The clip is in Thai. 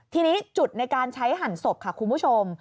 ทีนี้จุดในการใช้หั่นศพค่ะคุณผู้ชม